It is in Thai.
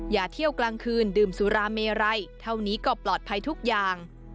อย่าเที่ยวกลางคืนดื่มสุราเมไรเท่านี้ก็ปลอดภัยทุกอย่าง